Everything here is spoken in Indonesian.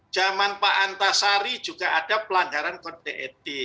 zaman pak antasari juga ada pelanggaran kode etik